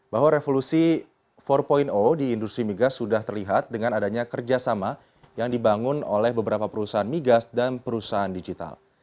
bahwa revolusi empat di industri migas sudah terlihat dengan adanya kerjasama yang dibangun oleh beberapa perusahaan migas dan perusahaan digital